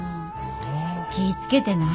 気ぃ付けてな。